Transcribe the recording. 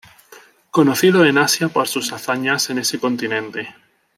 Conocido en Asia por sus hazañas en ese continente.